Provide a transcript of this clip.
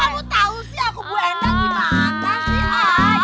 kamu tahu sih aku bu endang gimana sih